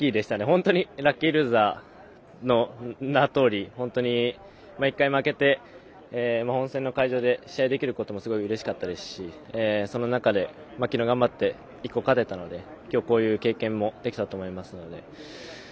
本当にラッキールーザーの名のとおり本当に毎回、負けて本戦の会場で試合できることもうれしかったですしその中で、頑張っていけたので今日、こういう経験もできたと思いますので。